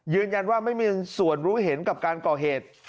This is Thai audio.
ยืนยันว่าไม่มีส่วนรู้เห็นกับการก่อเหตุ